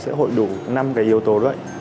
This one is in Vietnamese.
sẽ hội đủ năm cái yếu tố đấy